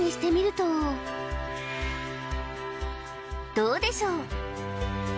どうでしょう？